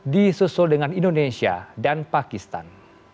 di susul dengan indonesia dan pakistan